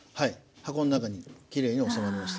箱の中にきれいに収まりました。